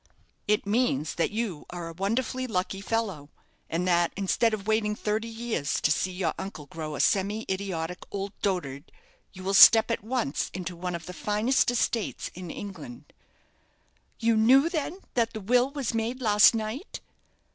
"It means that you are a wonderfully lucky fellow; and that, instead of waiting thirty years to see your uncle grow a semi idiotic old dotard, you will step at once into one of the finest estates in England." "You knew, then, that the will was made last night?"